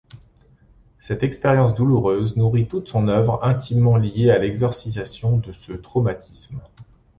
Cette expérience douloureuse nourrit toute son œuvre, intimement liée à l'exorcisation de ce traumatisme.